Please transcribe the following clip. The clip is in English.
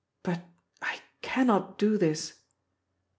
But I cannot do this.